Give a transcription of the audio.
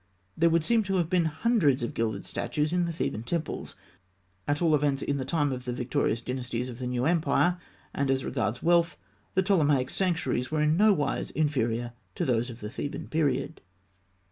There would seem to have been hundreds of gilded statues in the Theban temples, at all events in the time of the victorious dynasties of the new empire; and as regards wealth, the Ptolemaic sanctuaries were in no wise inferior to those of the Theban period.